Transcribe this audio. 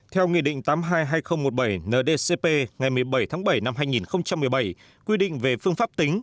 theo nghị định tám mươi hai hai nghìn một mươi bảy ndcp ngày một mươi bảy tháng bảy năm hai nghìn một mươi bảy quy định về phương pháp tính